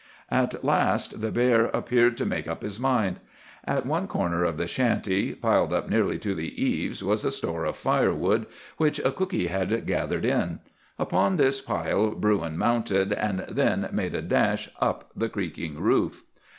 "At last the bear appeared to make up his mind. At one corner of the shanty, piled up nearly to the eaves, was a store of firewood which 'cookee' had gathered in. Upon this pile Bruin mounted, and then made a dash up the creaking roof.